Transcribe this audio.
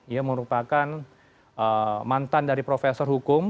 ia merupakan mantan dari profesor hukum